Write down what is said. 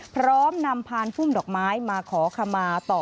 พร้อมนำพานพุ่มดอกไม้มาขอขมาต่อ